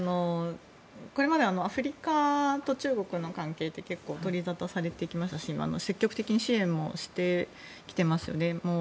これまでアフリカと中国の関係って結構、取り沙汰されてきましたし積極的に支援もしてきていますよね。